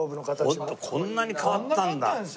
ホントこんなに変わったんだ。